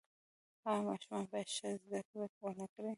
آیا ماشومان باید ښه زده کړه ونکړي؟